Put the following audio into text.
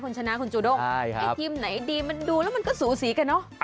คุณชนะคุณจูด้งไอ้ทีมไหนดีมันดูแล้วมันก็สูสีกันเนอะ